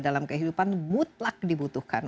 dalam kehidupan mutlak dibutuhkan